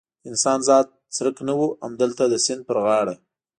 د انسان ذات څرک نه و، همدلته د سیند پر غاړه.